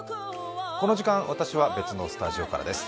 この時間、私は別のスタジオからです。